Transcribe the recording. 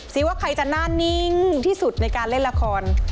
ว่าใครจะหน้านิ่งที่สุดในการเล่นละคร